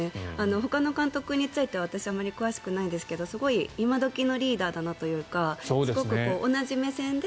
ほかの監督については私はあまり詳しくないですけどすごく今時のリーダーだなというかすごく、同じ目線で。